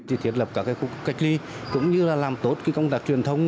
thì thiết lập các khu cách ly cũng như là làm tốt công tác truyền thông